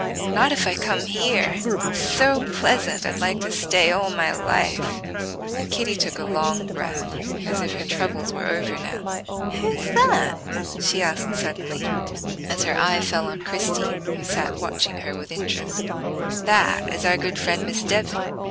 "Not if I come here; it's so pleasant I'd like to stay all my life," and Kitty took a long breath, as if her troubles were over now. "Who's that?" she asked suddenly, as her eye fell on Christie, who sat watching her with interest: "That is our good friend Miss Devon.